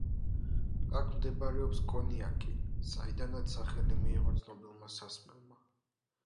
აქ მდებარეობს კონიაკი, საიდანაც სახელი მიიღო ცნობილმა სასმელმა.